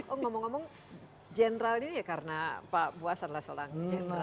oh ngomong ngomong general ini ya karena pak buas adalah seorang general